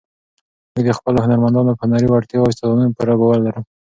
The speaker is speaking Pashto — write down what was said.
موږ د خپلو هنرمندانو په هنري وړتیاوو او استعدادونو پوره باور لرو.